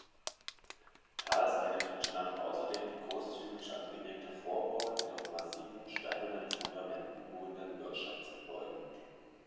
Talseitig entstand außerdem die großzügig angelegte Vorburg mit auf massiven steinernen Fundamenten ruhenden Wirtschaftsgebäuden.